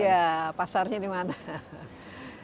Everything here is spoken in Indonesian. iya pasarnya dimana